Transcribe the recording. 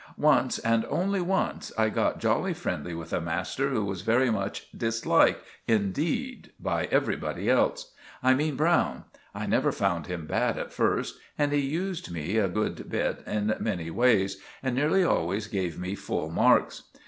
Once, and only once, I got jolly friendly with a master who was very much disliked indeed by everybody else. I mean Browne. I never found him bad at first, and he used me a good bit in many ways and nearly always gave me full marks.